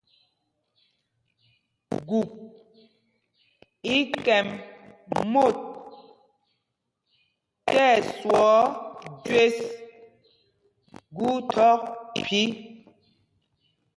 Gup í kɛm mot tí ɛswɔɔ jü gu thɔk phī.